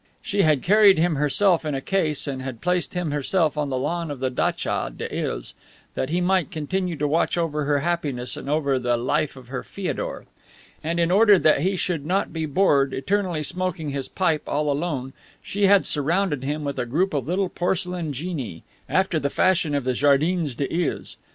She had carried him herself in a case and had placed him herself on the lawn of the datcha des Iles, that he might continue to watch over her happiness and over the life of her Feodor. And in order that he should not be bored, eternally smoking his pipe all alone, she had surrounded him with a group of little porcelain genii, after the fashion of the Jardins des Iles.